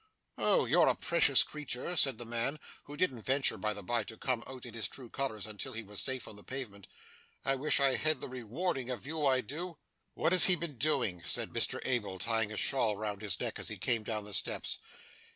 'Oh! you're a precious creatur!' said the man who didn't venture by the bye to come out in his true colours until he was safe on the pavement. 'I wish I had the rewarding of you I do.' 'What has he been doing?' said Mr Abel, tying a shawl round his neck as he came down the steps.